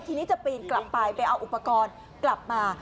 ทีนี้จะปีนกลับไปไปเอาอุปกรณ์กลับมา